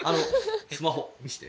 スマホ見して。